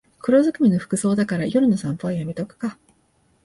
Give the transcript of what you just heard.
黒ずくめの服装だから夜の散歩はやめとくか